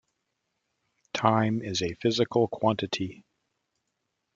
Time is a physical quantity.